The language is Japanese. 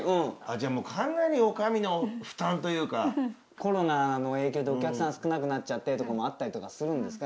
じゃあもうコロナの影響でお客さん少なくなっちゃってとかもあったりとかするんですか？